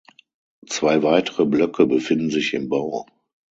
Zwei weitere Blöcke befinden sich im Bau.